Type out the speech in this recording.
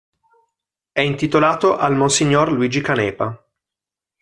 È intitolato al M° Luigi Canepa.